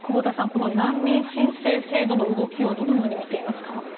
この難民申請制度の動きをどのように見ていますか？